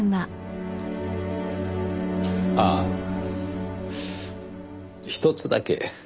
ああひとつだけ。